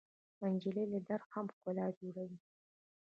نجلۍ له درده هم ښکلا جوړوي.